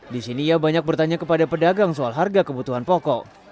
di sini ia banyak bertanya kepada pedagang soal harga kebutuhan pokok